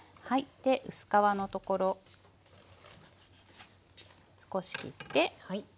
で薄皮のところ少し切って。